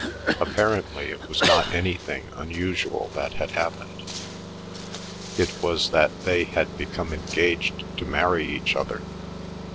Apparently it was not anything unusual that had happened; it was that they had become engaged to marry each other.